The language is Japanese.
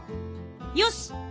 よし！